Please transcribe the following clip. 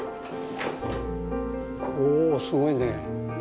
おすごいね。